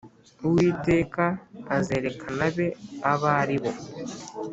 Uwiteka azerekana abe abo ari bo